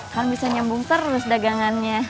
kan bisa nyambung terus dagangannya